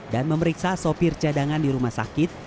dan memeriksa sopir cadangan di rumah sakit